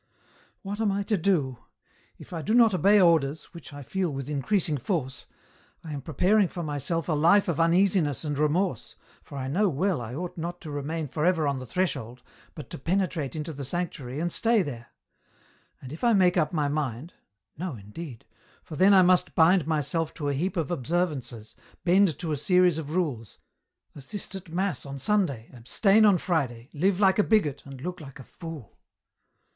*' What am I to do ? If I do not obey orders, which I feel with increasing force, I am preparing for myself a life of uneasiness and remorse, for I know well I ought not to D 34 EN ROUTE. remain for ever on the threshold, but to penetrate into the sanctuary and stay there. And if I make up my mind — no indeed— for then I must bind myself to a heap of observances, bend to a series of rules, assist at mass on Sunday, abstain on Friday, live like a bigot, and look like a fool."